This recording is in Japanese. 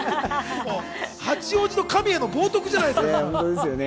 八王子の神への冒涜じゃないですか。